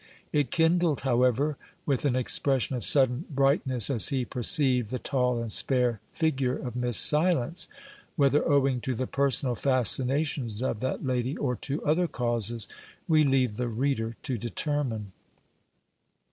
It kindled, however, with an expression of sudden brightness as he perceived the tall and spare figure of Miss Silence; whether owing to the personal fascinations of that lady, or to other causes, we leave the reader to determine.